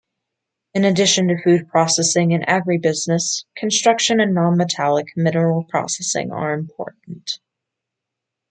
In addition to food processing and agribusiness, construction and non-metallic mineral processing are important.